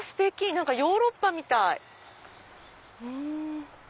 何かヨーロッパみたい。